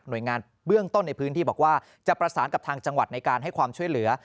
โดยงานเบื้องต้นในพื้นที่บอกว่าจะประสานกับทางจังหวัดในการให้ความช่วยเหลือ